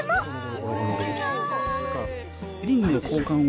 リングの交換を。